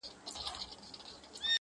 زما له زوره ابادیږي لوی ملکونه،